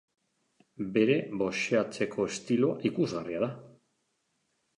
Bere boxeatzeko estiloa ikusgarria da.